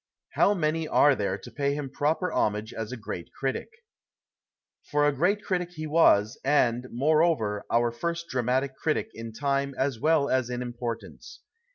How many are there to pay him propt r homage as a great critic ? For a great critic he was, and, moreover, our first dranuitic critic in time as well as in importance.